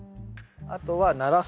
あとはならす。